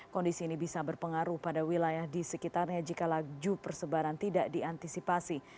kondisi ini bisa berpengaruh pada wilayah di sekitarnya jika laju persebaran tidak diantisipasi